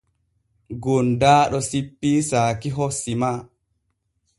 Gondaaɗo sippii saakiho sima.